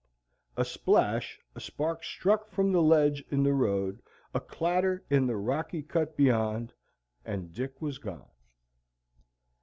A splash, a spark struck from the ledge in the road, a clatter in the rocky cut beyond, and Dick was gone.